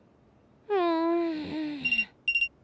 うん。